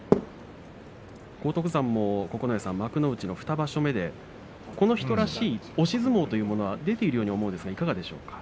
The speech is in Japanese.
荒篤山も幕内２場所目でこの人らしい押し相撲というのが出ているように思うんですがいかがでしょうか。